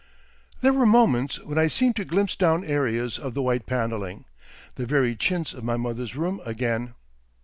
There were moments when I seemed to glimpse down areas the white panelling, the very chintz of my mother's room again.